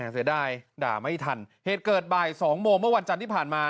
เสียดายด่าไม่ทันเหตุเกิดบ่ายสองโมงเมื่อวันจันทร์ที่ผ่านมา